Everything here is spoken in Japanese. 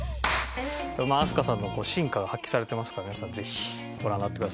まあ飛鳥さんの真価が発揮されてますから皆さんぜひご覧になってください。